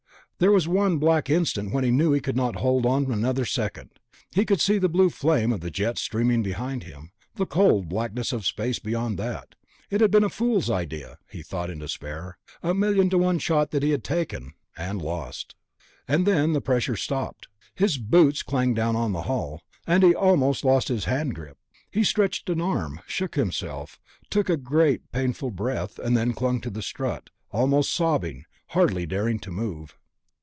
There was one black instant when he knew he could not hold on another second. He could see the blue flame of the jet streaming behind him, the cold blackness of space beyond that. It had been a fool's idea, he thought in despair, a million to one shot that he had taken, and lost.... And then the pressure stopped. His boots clanged down on the hull, and he almost lost his hand grip. He stretched an arm, shook himself, took a great painful breath, and then clung to the strut, almost sobbing, hardly daring to move.